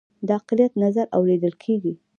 د اقلیت نظر اوریدل کیږي؟